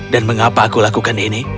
dan mengapa aku melakukan ini